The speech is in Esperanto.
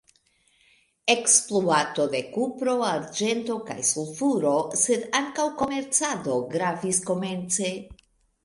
Ekspluato de kupro, arĝento kaj sulfuro sed ankaŭ komercado gravis komence.